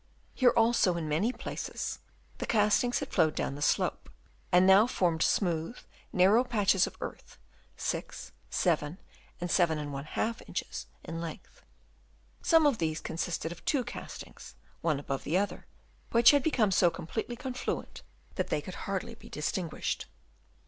Here also in many places the castings had flowed down the slope, and now formed smooth narrow patches of earth, 6, 7, and 7^ inches in length. Some of these consisted of two castings, one above the other, which had become so completely confluent that they could hardly be distinguished.